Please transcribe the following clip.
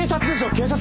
警察。